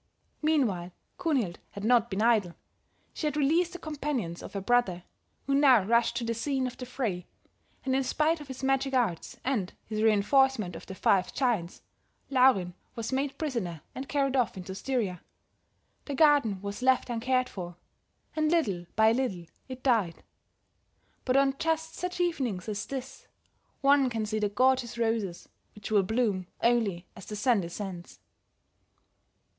Meanwhile Kunhild had not been idle; she had released the companions of her brother, who now rushed to the scene of the fray, and in spite of his magic arts, and his reinforcement of the five giants, Laurin was made prisoner and carried off into Styria. The garden was left uncared for, and little by little it died; but on just such evenings as this, one can see the gorgeous roses, which will bloom only as the sun descends."